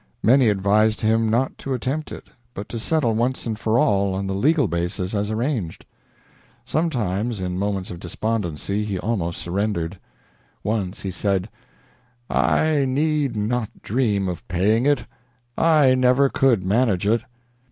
Many advised him not to attempt it, but to settle once and for all on the legal basis as arranged. Sometimes, in moments of despondency, he almost surrendered. Once he said: "I need not dream of paying it. I never could manage it."